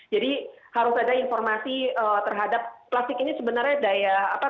jadi harus ada informasi terhadap plastik ini sebenarnya daya apa